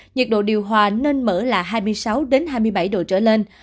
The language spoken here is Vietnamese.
nhiệt độ điều hòa nên mở là hai mươi sáu hai mươi bảy độ trở lên